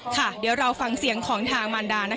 ค่ะเดี๋ยวเราฟังเสียงของทางมารดานะคะ